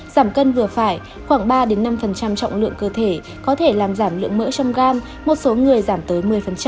giảm cân vừa phải khoảng ba năm trọng lượng cơ thể có thể làm giảm lượng mỡ trong gram một số người giảm tới một mươi